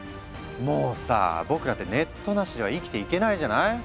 もうさ僕らってネットなしでは生きていけないじゃない？